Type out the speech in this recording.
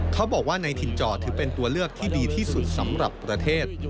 เขาบอกว่าในถิ่นจอถือเป็นตัวเลือกที่ดีที่สุดสำหรับประเทศ